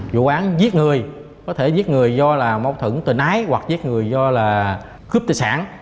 vụ án giết người có thể giết người do là mâu thử tình ái hoặc giết người do là cướp tài sản